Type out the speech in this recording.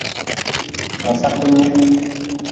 Dasaku nyi.